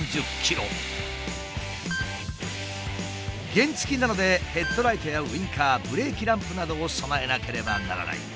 原付なのでヘッドライトやウィンカーブレーキランプなどを備えなければならない。